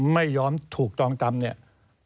ไม่ยอมถูกตองจำ